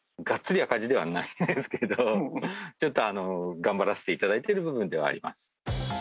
がっつり赤字ではないですけど、ちょっと頑張らせていただいている部分ではあります。